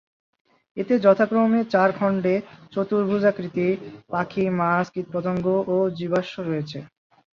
এতে যথাক্রমে চার খন্ডে চতুর্ভুজাকৃতি পাখি, মাছ, কীটপতঙ্গ ও জীবাশ্ম রয়েছে।